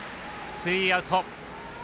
スリーアウト。